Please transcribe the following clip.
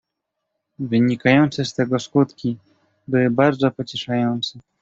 "Wynikające z tego skutki były bardzo pocieszające."